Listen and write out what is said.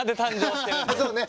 そうね。